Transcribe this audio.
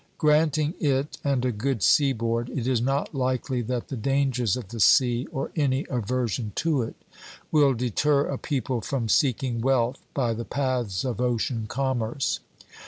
Granting it and a good seaboard, it is not likely that the dangers of the sea, or any aversion to it, will deter a people from seeking wealth by the paths of ocean commerce.